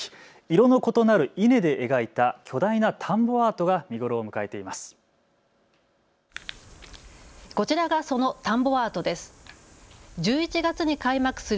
色の異なる稲で描いた巨大な田んぼアートが見頃を迎えています。